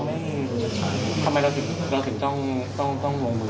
มือตั้งใจคมึงมือความห่วงหรือ